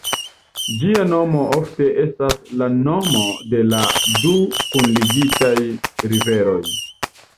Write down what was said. Ĝia nomo ofte estas la nomo de la du kunligitaj riveroj.